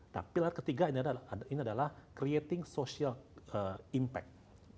nah pilar ketiga ini adalah creating social impact